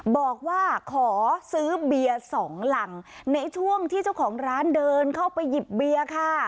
บอกว่าขอซื้อเบียร์สองหลังในช่วงที่เจ้าของร้านเดินเข้าไปหยิบเบียร์ค่ะ